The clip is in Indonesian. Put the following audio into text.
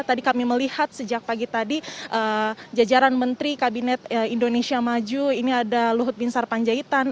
tadi kami melihat sejak pagi tadi jajaran menteri kabinet indonesia maju ini ada luhut bin sarpanjaitan